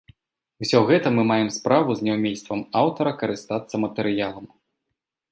Усё гэта мы маем справу з няўмельствам аўтара карыстацца матэрыялам.